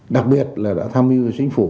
đặc biệt là đã tham dự cho chính phủ